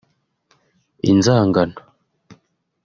inzangano